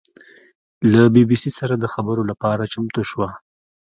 له بي بي سي سره د خبرو لپاره چمتو شوه.